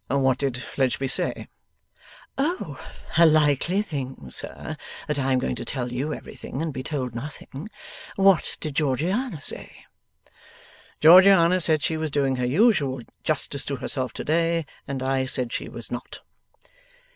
What did Fledgeby say?' 'Oh, a likely thing, sir, that I am going to tell you everything, and be told nothing! What did Georgiana say?' 'Georgiana said she was doing her usual justice to herself to day, and I said she was not.